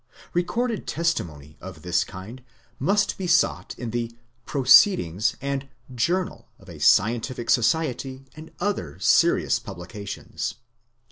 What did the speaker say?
Recorded testimony of this kind must be sought in the Proceedings and Journal of a scientific society and other serious publications.